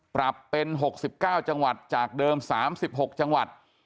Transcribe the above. ปรับเป็น๖๙จังหวัดจากเดิม๓๖จังหวัด